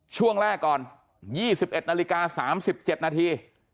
ช่วงแรกก่อน๒๑นาฬิกา๓๗นาที